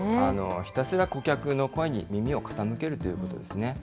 ひたすら顧客の声に耳を傾けるということですね。